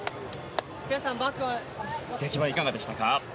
出来栄え、いかがでしたか？